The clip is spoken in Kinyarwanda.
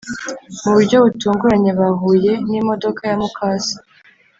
muburyo butunguranye bahuye ni modoka ya mukase